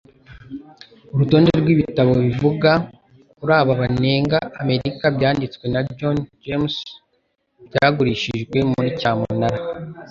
urutonde rwibitabo bivuga kuri aba banenga Amerika byanditswe na John James Audubon byagurishijwe muri cyamunara